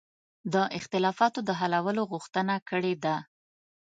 د اختلافاتو د حلولو غوښتنه کړې ده.